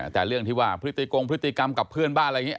แต่เรื่องที่ว่าพฤติกงพฤติกรรมกับเพื่อนบ้านอะไรอย่างนี้